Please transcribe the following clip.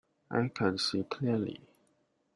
I can't see clearly.